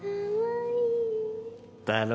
だろ？